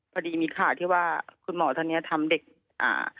พอดีมีข่าวที่ว่าคุณหมอท่านเนี้ยทำเด็กอ่า